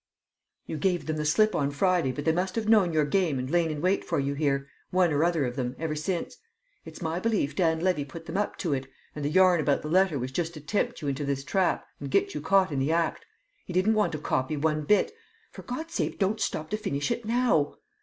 "You gave them the slip on Friday, but they must have known your game and lain in wait for you here, one or other of them, ever since. It's my belief Dan Levy put them up to it, and the yarn about the letter was just to tempt you into this trap and get you caught in the act. He didn't want a copy one bit; for God's sake, don't stop to finish it now!"